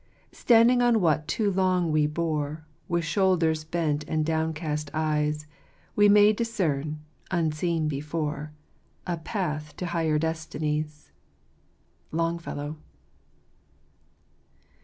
Standing on what too long we bore. With shoulders bent and downcast eyes. We may discern — unseen before — A path to higher destinies 1 " Longfellow.